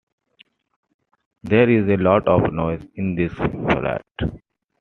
There is a lot of noise in this flat.